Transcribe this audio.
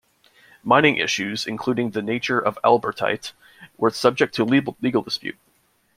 Mining issues, including the nature of Albertite, were subject to legal dispute.